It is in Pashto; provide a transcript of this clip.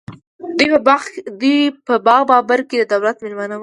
دوی په باغ بابر کې د دولت مېلمانه ول.